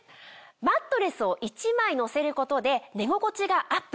マットレスを１枚載せることで寝心地がアップ。